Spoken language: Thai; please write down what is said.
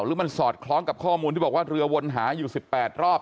หรือมันสอดคล้องกับข้อมูลที่บอกว่าเรือวนหาอยู่๑๘รอบ